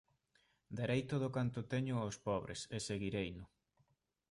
Darei todo canto teño ós pobres, e seguireino.